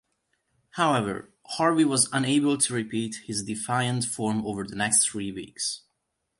However, Harvey was unable to repeat his defiant form over the next three weeks.